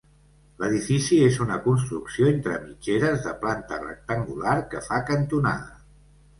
L'edifici és una construcció entre mitgeres, de planta rectangular, que fa cantonada.